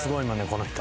この人。